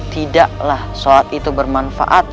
tidaklah sholat itu bermanfaat